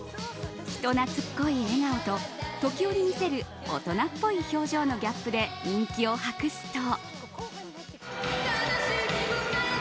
人懐っこい笑顔と時折見せる大人っぽい表情のギャップで人気を博すと。